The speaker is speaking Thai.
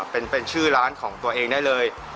เป็นชื่อร้านของตัวเองได้เลย